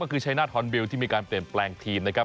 ก็คือชัยนาธฮอนบิลที่มีการเปลี่ยนแปลงทีมนะครับ